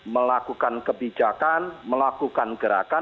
melakukan kebijakan melakukan gerakan